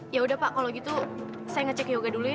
yaudah pak kalau gitu saya ngecek yoga dulu ya